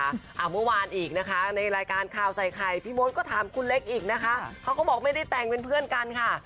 เมื่อวานอีกนะคะในรายการข่าวใส่ไข่พี่มดก็ถามคุณเล็กอีกนะคะเขาก็บอกไม่ได้แต่งเป็นเพื่อนกันค่ะ